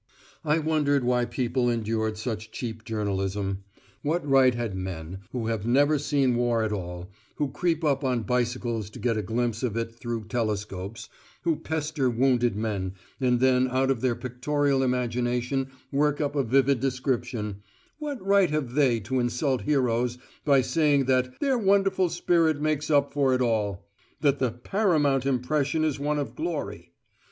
I wondered why people endured such cheap journalism. What right had men who have never seen war at all, who creep up on bicycles to get a glimpse of it through telescopes, who pester wounded men, and then out of their pictorial imagination work up a vivid description what right have they to insult heroes by saying that "their wonderful spirit makes up for it all," that "the paramount impression is one of glory"?